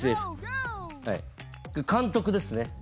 監督ですね。